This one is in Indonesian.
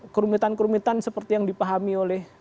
kerumitan kerumitan seperti yang dipahami oleh